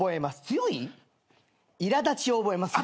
強いいら立ちを覚えます。